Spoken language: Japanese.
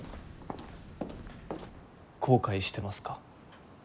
後悔してますか？